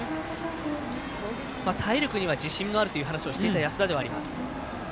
体力には自信があるという話をしていた安田です。